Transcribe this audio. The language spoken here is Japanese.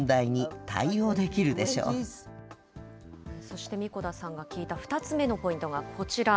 そして神子田さんが聞いた２つ目のポイントがこちら。